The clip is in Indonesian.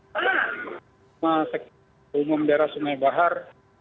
sebenarnya di sekitar umum daerah sungai bahar